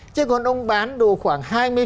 chứ còn ông bán đồ khoảng hai mươi